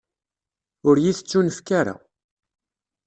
Ur yi-tettunefk ara.